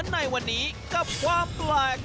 ในวันนี้กับความแปลก